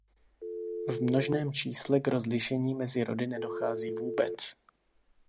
V množném čísle k rozlišení mezi rody nedochází vůbec.